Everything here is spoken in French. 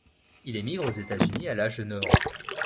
Il émigre aux États-Unis à l'âge de neuf ans.